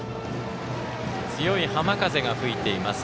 強い浜風が吹いています。